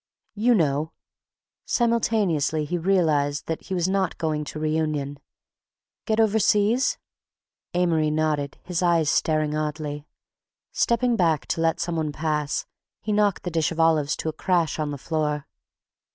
"You know!" Simultaneously he realized that he was not going to reunion. "Get overseas?" Amory nodded, his eyes staring oddly. Stepping back to let some one pass, he knocked the dish of olives to a crash on the floor.